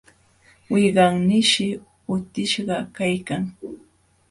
Wiqawnishi utishqa kaykan,